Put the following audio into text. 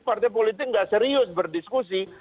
partai politik nggak serius berdiskusi